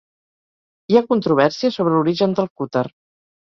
Hi ha controvèrsia sobre l'origen del cúter.